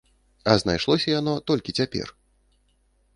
А знайшлося яно толькі цяпер!